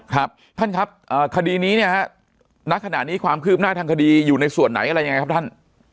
ครับท่านครับคดีนี้เนี่ยฮะณขณะนี้ความคืบหน้าทางคดีอยู่ในส่วนไหนอะไรยังไงครับท่าน